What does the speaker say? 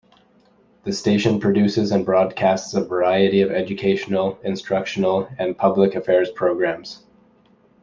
The station produces and broadcasts a variety of educational, instructional and public affairs programs.